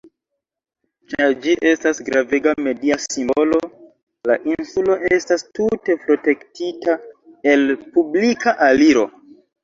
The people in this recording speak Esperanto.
Ĉar ĝi estas gravega media simbolo, la insulo estas tute protektita el publika aliro.